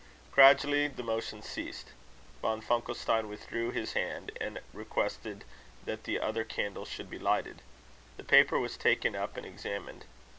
Gradually the motion ceased. Von Funkelstein withdrew his hand, and requested that the other candle should be lighted. The paper was taken up and examined.